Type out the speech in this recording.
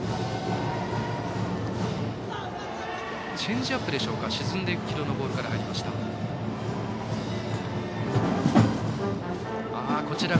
チェンジアップでしょうか沈んでいく軌道のボールから。